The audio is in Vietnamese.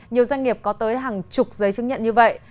nhiều doanh nghiệp có tới hàng chục giấy chứng nhận như vậy